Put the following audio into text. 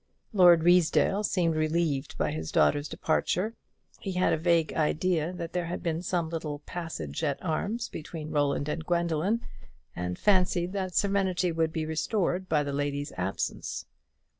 Lord Ruysdale seemed relieved by his daughter's departure. He had a vague idea that there had been some little passage at arms between Roland and Gwendoline, and fancied that serenity would be restored by the lady's absence.